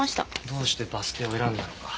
どうしてバス停を選んだのか？